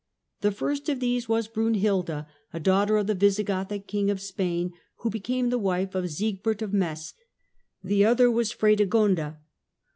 The first of these was Brunhilda, a daughter of the Visigothic King of Spain, who became the wife of Siegbert of Metz. The other was Fredegonda.